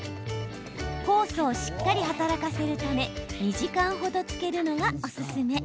酵素をしっかり働かせるため２時間程、漬けるのがおすすめ。